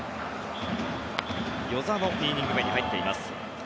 與座の２イニング目に入っています。